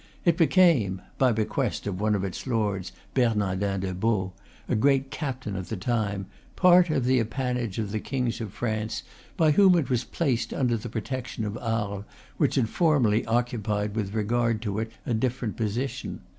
It became by bequest of one of its lords, Bernardin des Baux, a great cap tain of his time part of the appanage of the kings of France, by whom it was placed under the protection of Arles, which had formerly occupied with regard to it a different position.